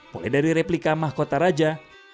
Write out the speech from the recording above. mulai dari replika mahkota raja